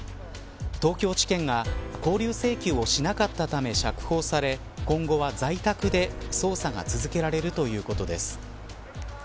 東京地検が勾留請求をしなかったため釈放され、今後は在宅で捜査が続けられるということです。